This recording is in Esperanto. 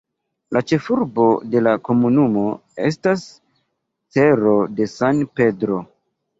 La ĉefurbo de la komunumo estas Cerro de San Pedro.